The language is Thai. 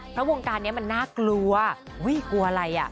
เพราะวงการนี้มันน่ากลัวอุ้ยกลัวอะไรอ่ะ